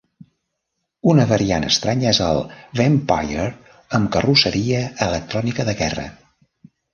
Una variant estranya és el Vampire amb carrosseria electrònica de guerra.